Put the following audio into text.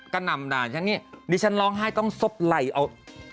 กะนำนะอย่างงี้ดิฉันร้องไห้ต้องซบไหล่เอ้า